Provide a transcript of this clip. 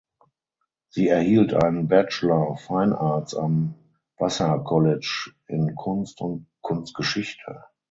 Sie erhielt einen Bachelor of Fine Arts am Vassar College in Kunst und Kunstgeschichte.